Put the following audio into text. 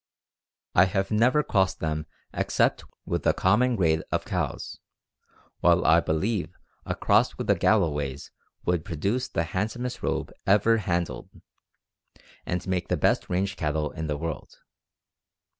"I have never crossed them except with a common grade of cows, while I believe a cross with the Galloways would produce the handsomest robe ever handled, and make the best range cattle in the world.